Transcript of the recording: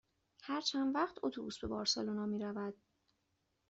هر چند وقت اتوبوس به بارسلونا می رود؟